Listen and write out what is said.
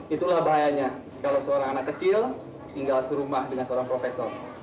itulah bahayanya kalau seorang anak kecil tinggal serumah dengan seorang profesor